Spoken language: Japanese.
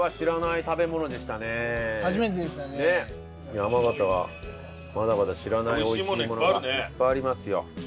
山形はまだまだ知らない美味しいものがいっぱいありますよ。